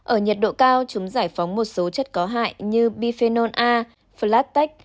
ở nhiệt độ cao chúng giải phóng một số chất có hại như biphenol a flatex